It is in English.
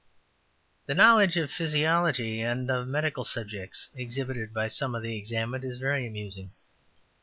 The knowledge of physiology and of medical subjects exhibited by some of the examined is very amusing.